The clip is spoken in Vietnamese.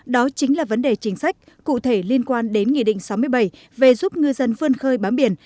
đó chính là vấn đề chính sách cụ thể liên quan đến nghị định sáu mươi bảy về giúp ngư dân vươn khơi bám biển